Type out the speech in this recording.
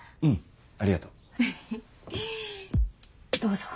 うんありがとう。